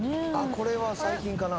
これは最近かな？